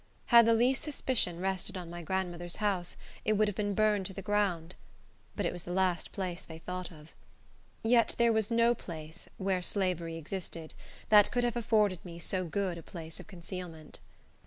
Had the least suspicion rested on my grandmother's house, it would have been burned to the ground. But it was the last place they thought of. Yet there was no place, where slavery existed, that could have afforded me so good a place of concealment.